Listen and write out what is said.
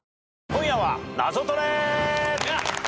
『今夜はナゾトレ』